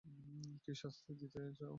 কী শাস্তি দিতে চাও দাও।